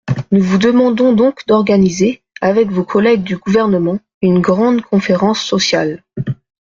Nous vous demandons donc d’organiser, avec vos collègues du Gouvernement, une grande conférence sociale.